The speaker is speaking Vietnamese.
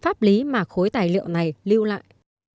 pháp lý mà khối tài liệu này lưu lại